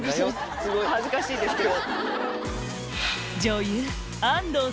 すごい恥ずかしいですけど。